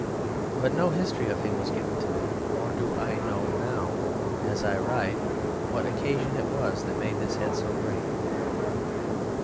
But no history of him was given to me, nor do I now know as I write what occasion it was that made this head so great.